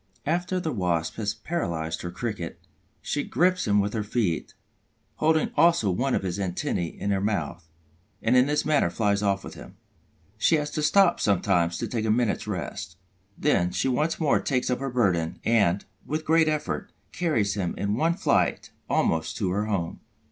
After the Wasp has paralyzed her Cricket, she grips him with her feet, holding also one of his antennæ in her mouth, and in this manner flies off with him. She has to stop sometimes to take a minute's rest. Then she once more takes up her burden and, with a great effort, carries him in one flight almost to her home.